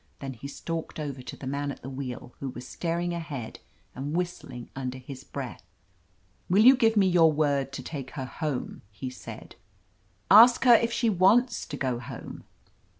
Then he stalked over to the man at the wheel, who was staring ahead and whistling under his breath. "Will you give me your word to take her home?" he said. "Ask her if she wants to go home."